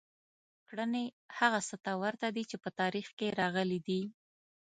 کړنې هغه څه ته ورته دي چې په تاریخ کې راغلي دي.